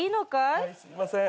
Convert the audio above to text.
すいません。